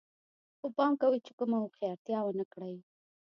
خو پام کوئ چې کومه هوښیارتیا ونه کړئ